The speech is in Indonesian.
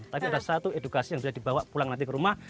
tapi ada satu edukasi yang bisa dibawa pulang nanti ke rumah